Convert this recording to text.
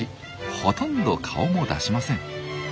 ほとんど顔も出しません。